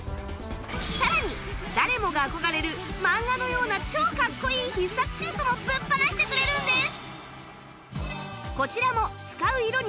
さらに誰もが憧れる漫画のような超かっこいい必殺シュートもぶっ放してくれるんです！